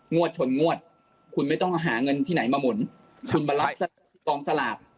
งวดฉนงวดคุณไม่ต้องหาเงินที่ไหนมาหมดบองสลาบ